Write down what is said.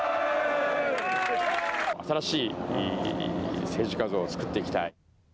新しい政治家像を作っていきたい。